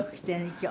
今日。